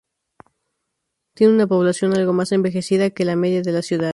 Tiene una población algo más envejecida que la media de la ciudad.